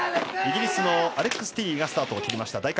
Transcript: イギリスのアレックス・ティリーがスタートを切りました。